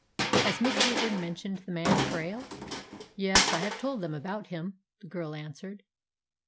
Has Miss Heyburn mentioned the man Krail?" "Yes, I have told them about him," the girl answered.